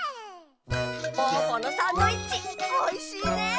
ぽぅぽのサンドイッチおいしいね。